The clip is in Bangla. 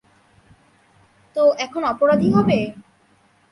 তো এখন অপরাধী হবে?